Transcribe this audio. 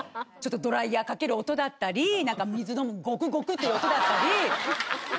ドライヤーかける音だったり水飲むゴクゴクっていう音だったり。